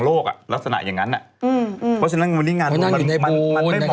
มอร์โมน๖โมงเช้าเตินมาดูเลย